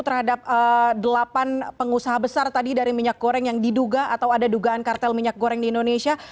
terhadap delapan pengusaha besar tadi dari minyak goreng yang diduga atau ada dugaan kartel minyak goreng di indonesia